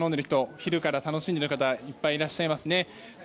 昼から楽しんでいる方がいっぱいいらっしゃいますね。